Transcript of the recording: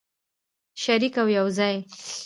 شریک او یوځای.